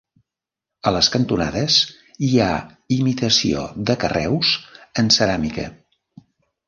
A les cantonades hi ha imitació de carreus en ceràmica.